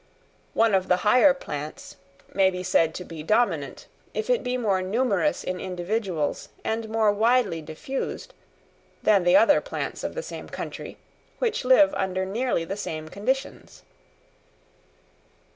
One of the higher plants may be said to be dominant if it be more numerous in individuals and more widely diffused than the other plants of the same country, which live under nearly the same conditions.